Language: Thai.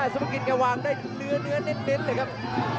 สุภกิจแกวางได้เนื้อเน้นเลยครับ